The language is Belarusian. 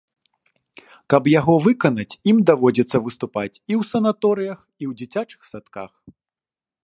Каб яго выканаць, ім даводзіцца выступаць і ў санаторыях, і ў дзіцячых садках.